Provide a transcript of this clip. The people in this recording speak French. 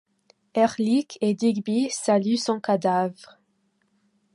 Erlich et Digby saluent son cadavre.